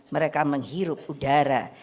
mereka menghirup udara